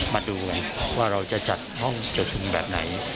มาดูว่าเราจะจัดห้องจดชุมแบบไหน